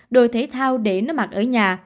đồ thể thao để nó mặc ở nhà